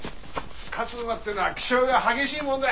勝つ馬ってのは気性が激しいもんだ。